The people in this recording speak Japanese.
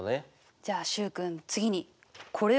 じゃあ習君次にこれを見て。